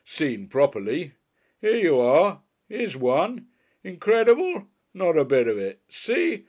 Seen properly. Here you are. Here's one! Incredible? Not a bit of it! See?